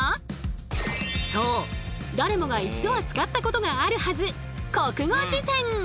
そう誰もが一度は使ったことがあるはず！